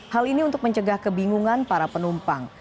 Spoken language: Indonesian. hal ini untuk mencegah kebingungan para penumpang